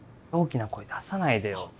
大きな声出さないでよ。